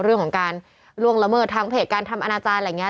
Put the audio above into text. เรื่องของการล่วงละเมิดทางเพจการทำอนาจารย์อะไรอย่างนี้